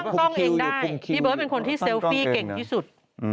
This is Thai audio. พี่เบิร์ดเป็นคนที่เซลฟี่เก่งที่สุด